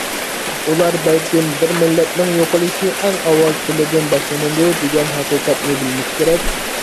ئۇلار بەلكىم «بىر مىللەتنىڭ يوقىلىشى ئەڭ ئاۋۋال تىلىدىن باشلىنىدۇ» دېگەن ھەقىقەتنى بىلمىسە كېرەك!